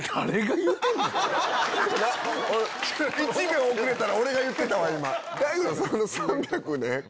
１秒遅れたら俺が言ってたわ今！